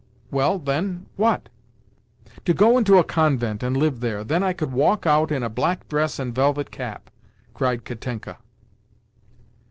"Well, then? What?" "To go into a convent and live there. Then I could walk out in a black dress and velvet cap!" cried Katenka.